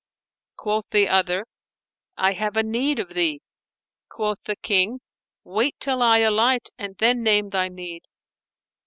Quoth the other, I have a need of thee." Quoth the King, "Wait till I alight and then name thy need."